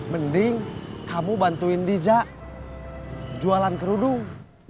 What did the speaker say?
mending kamu bantuin bijak jualan kerudung